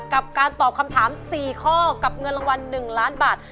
กับการตอบคำถาม๔ข้อกับเงินรางวัล๑ล้านบาท